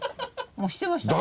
もうしてました。